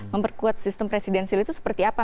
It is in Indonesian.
memperkuat sistem presidensil itu seperti apa